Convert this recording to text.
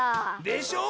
でしょ？